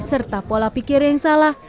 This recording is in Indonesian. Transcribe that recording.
serta pola pikir yang salah